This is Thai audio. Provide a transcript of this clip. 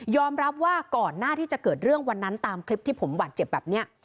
รับว่าก่อนหน้าที่จะเกิดเรื่องวันนั้นตามคลิปที่ผมบาดเจ็บแบบนี้